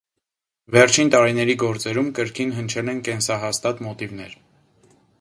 Վերջին տարիների գործերում կրկին հնչել են կենսահաստատ մոտիվներ։